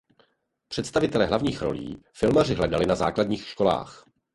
Představitele hlavních rolí filmaři hledali na základních školách.